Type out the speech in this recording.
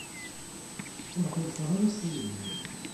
ur ḥulfaɣ ara s tayri-m.